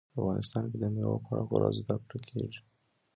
په افغانستان کې د مېوو په اړه پوره زده کړه کېږي.